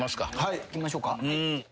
いきましょうか。